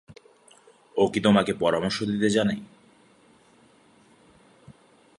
ও কি তোকে পরামর্শ দিতে জানে?